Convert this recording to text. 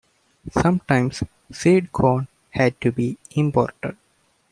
Sometimes seed corn had to be imported.